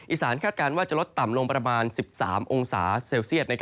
อีสานคาดการณ์ว่าจะลดต่ำลงประมาณ๑๓องศาเซลเซียต